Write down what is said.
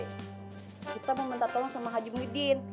kita mau minta tolong sama haji muhyiddin